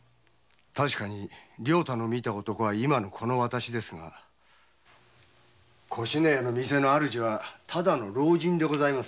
確かに良太の見た男は今のこの私ですが越乃屋の店の主人はただの老人でございます。